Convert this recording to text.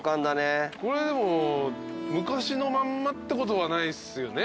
これでも昔のまんまってことはないっすよね？